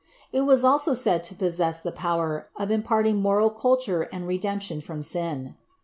It was also said to possess the power of imparting moral culture and redemption from sin.